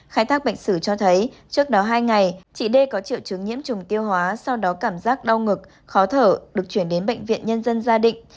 khai thác bệnh sử cho thấy trước đó hai ngày chị đê có triệu chứng nhiễm trùng tiêu hóa sau đó cảm giác đau ngực khó thở được chuyển đến bệnh viện nhân dân gia định